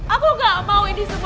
aku gak mau ini semua